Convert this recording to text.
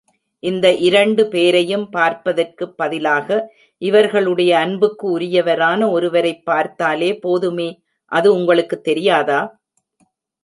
இந்த இரண்டு பேரையும் பார்ப்பதற்கு பதிலாக இவர்களுடைய அன்புக்கு உரியவரான ஒருவரைப் பார்த்தாலே போதுமே அது உங்களுக்கு தெரியாதா?